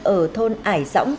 ở thôn ải dõng